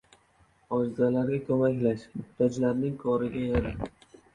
Ojizlarga ko‘maklash. Muhtojlarning koriga yara.